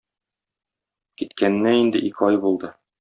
Киткәненә инде ике ай булды.